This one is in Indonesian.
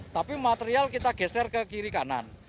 tapi material kita geser ke kiri kanan